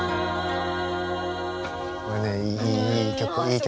これねいいいい曲。